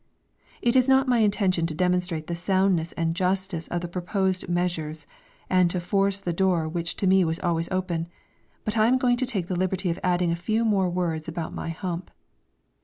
It is not my intention to demonstrate the soundness and justice of the proposed measures and to force the door which to me was always open, but I am going to take the liberty of adding a few more words about my hump.